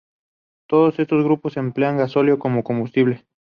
Todos estos grupos emplean gasóleo como combustible.